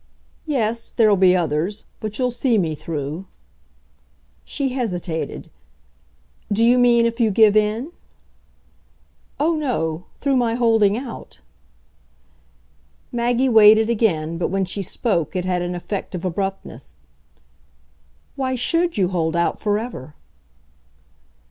"Yes, there'll be others. But you'll see me through." She hesitated. "Do you mean if you give in?" "Oh no. Through my holding out." Maggie waited again, but when she spoke it had an effect of abruptness. "Why SHOULD you hold out forever?"